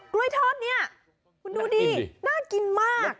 กล้วยทอดนี้คุณดูดิน่ากินมาก